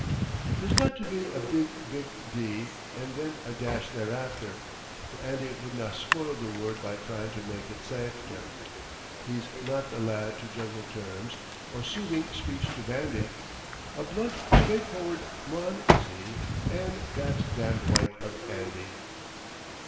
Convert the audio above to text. There's not to be a "big, big D," an' then a dash thereafter, For Andy would na spoil the word by trying to make it safter; He's not the lad to juggle terms, or soothing speech to bandy. A blunt, straightforward mon is he an' "That's damned white of Andy!"